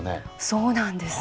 そうなんです。